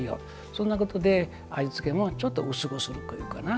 そんなことで味付けもちょっと薄くするというかな。